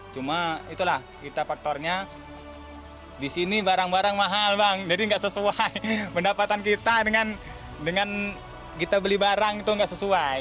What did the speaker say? cuma itulah kita faktornya di sini barang barang mahal bang jadi nggak sesuai pendapatan kita dengan kita beli barang itu nggak sesuai